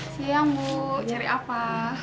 siang bu cari apa